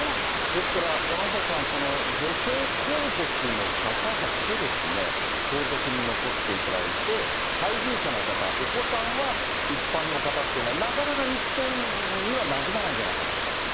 ですから、山下さん、女性皇族の方だけですね、皇族に残っていただいて、配偶者の方、お子さんは一般の方っていうのは、なかなか日本にはなじまないんじゃないかと。